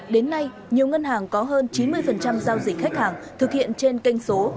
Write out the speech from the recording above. đến nay nhiều ngân hàng có hơn chín mươi giao dịch khách hàng thực hiện trên kênh số